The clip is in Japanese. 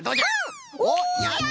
おやった！